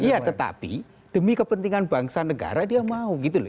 iya tetapi demi kepentingan bangsa negara dia mau gitu loh